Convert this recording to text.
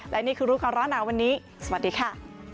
และนี่คือรู้ก่อนร้อนหนาวันนี้สวัสดีค่ะ